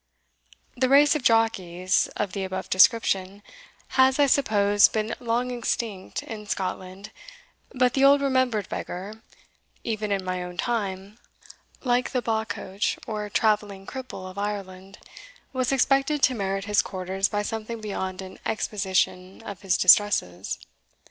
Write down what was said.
The race of Jockies (of the above description) has, I suppose, been long extinct in Scotland; but the old remembered beggar, even in my own time, like the Baccoch, or travelling cripple of Ireland, was expected to merit his quarters by something beyond an exposition of his distresses.